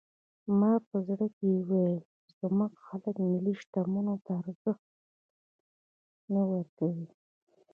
ما په زړه کې ویل چې زموږ خلک ملي شتمنیو ته ارزښت نه ورکوي.